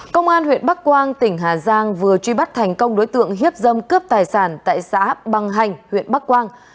công an huyện bắc quang tỉnh hà giang vừa truy bắt thành công đối tượng hiếp dâm cướp tài sản tại xã bằng hành huyện bắc quang